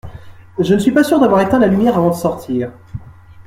Je ne suis pas sûr d’avoir éteint la lumière avant de sortir.